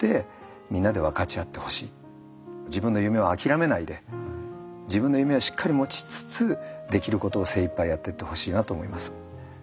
自分の夢を諦めないで自分の夢をしっかり持ちつつできることを精いっぱいやっていってほしいなと思います。